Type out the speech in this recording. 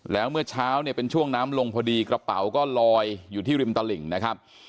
แล้วเมื่อเช้าเนี่ยเป็นช่วงน้ำลงพอดีกระเป๋าก็ลอยอยู่ที่ริมตลิ่งนะครับ